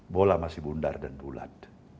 bola masih bundar dan bulat